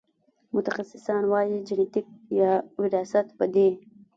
متخصصان وايي جنېتیک یا وراثت په دې